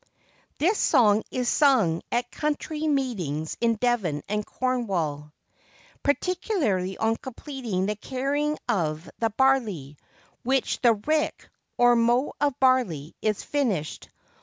[THIS song is sung at country meetings in Devon and Cornwall, particularly on completing the carrying of the barley, when the rick, or mow of barley, is finished.